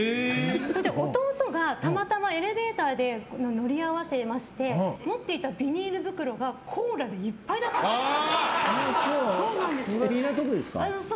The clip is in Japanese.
それで弟が、たまたまエレベーターで乗り合わせまして持っていたビニール袋がコーラでいっぱいだったんです。